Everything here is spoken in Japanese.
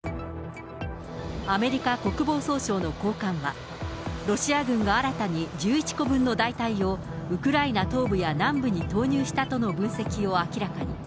アメリカ国防総省の高官は、ロシア軍が新たに１１個分の大隊を、ウクライナ東部や南部に投入したとの分析を明らかに。